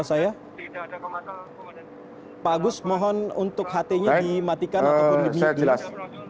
oke saya jelas